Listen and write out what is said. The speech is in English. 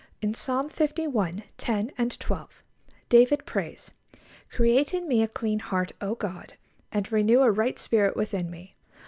In Psalm li. 10 and 12, David prays, "Create in me a clean heart, O God, and renew a right spirit within me....